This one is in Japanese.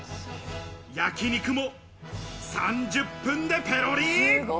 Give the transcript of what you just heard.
焼肉も３０分でペロリ！